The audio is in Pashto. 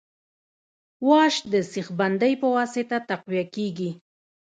واش د سیخ بندۍ په واسطه تقویه کیږي